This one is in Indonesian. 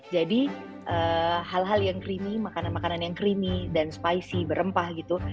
jadi hal hal yang creamy makanan makanan yang creamy dan spicy berempah gitu